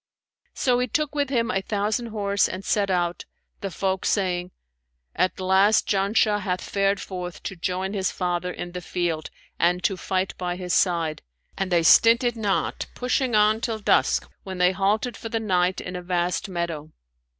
So he took with him a thousand horse and set out, the folk saying, 'At last Janshah hath fared forth to join his father in the field, and to fight by his side;' and they stinted not pushing on till dusk, when they halted for the night in a vast meadow.